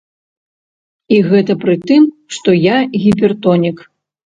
І гэта пры тым, што я гіпертонік.